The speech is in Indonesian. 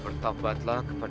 setelah nurut kesempatan kuberi